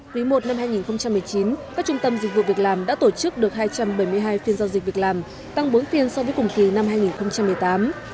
quý i năm hai nghìn một mươi chín các trung tâm dịch vụ việc làm đã tổ chức được hai trăm bảy mươi hai phiên giao dịch việc làm tăng bốn phiên so với cùng kỳ năm hai nghìn một mươi tám